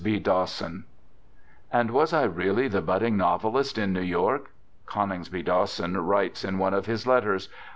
CONINGSBY DAWSON "And was I really the budding novelist in New York?" Coningsby Dawson writes in one of his letters.